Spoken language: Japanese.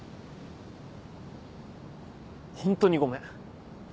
ホントにごめん。